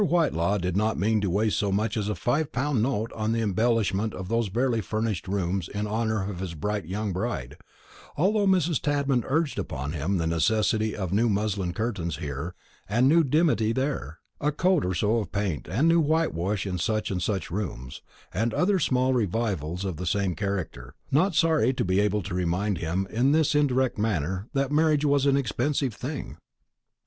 Whitelaw did not mean to waste so much as a five pound note upon the embellishment of those barely furnished rooms in honour of his bright young bride; although Mrs. Tadman urged upon him the necessity of new muslin curtains here, and new dimity there, a coat or so of paint and new whitewash in such and such rooms, and other small revivals of the same character; not sorry to be able to remind him in this indirect manner that marriage was an expensive thing.